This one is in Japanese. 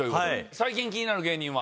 最近気になる芸人は？